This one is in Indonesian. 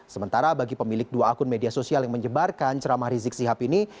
sementara bagi pemilik dua akun media sosial yang menyebarkan ceramah rizik sihab ini